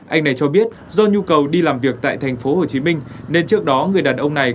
anh này cho biết do nhu cầu đi làm việc tại thành phố hồ chí minh nên trước đó người đàn ông này